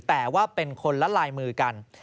แต่ว่าเป็นคนละลายมือกัน